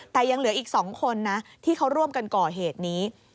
แต่ยังเหลืออีก๒คนนะที่เขาร่วมกันก่อเหตุนี้